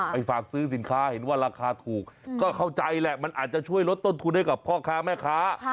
ฝากซื้อสินค้าเห็นว่าราคาถูกก็เข้าใจแหละมันอาจจะช่วยลดต้นทุนให้กับพ่อค้าแม่ค้า